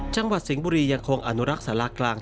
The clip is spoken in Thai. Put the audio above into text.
จังหวัดสิงห์บุรียังคงอนุรักษ์สารากลาง